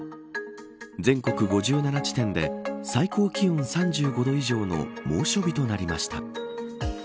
全国５７地点で最高気温３５度以上の猛暑日となりました。